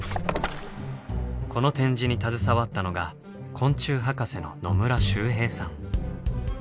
この展示に携わったのが昆虫博士の野村周平さん。